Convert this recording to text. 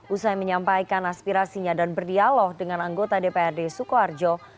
usai menyampaikan aspirasinya dan berdialog dengan anggota dprd sukoharjo